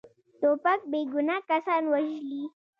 توپک بیګناه کسان وژلي.